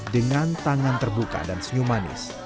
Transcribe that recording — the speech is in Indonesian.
dengan tangan terbuka dan senyum manis